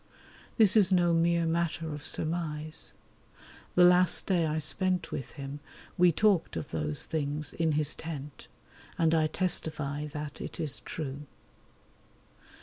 This is no mere matter of surmise. The last day I spent with him we talked of those things in his tent, and I testify that it is true.